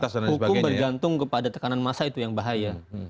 itu yang bahaya hukum bergantung kepada tekanan massa itu yang bahaya